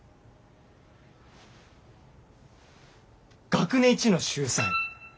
学年一の秀才。